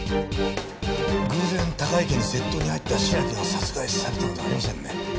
偶然高井家に窃盗に入った白木が殺害されたのではありませんね。